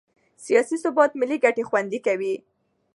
سیاسي ثبات ملي ګټې خوندي کوي